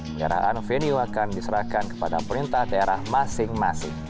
kendaraan venue akan diserahkan kepada perintah daerah masing masing